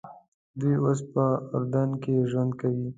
دوی اوس په اردن کې ژوند کوي.